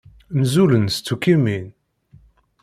Mzulen s tukkimin.